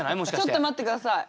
ちょっと待って下さい。